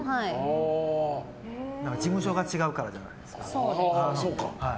事務所が違うからじゃないですか。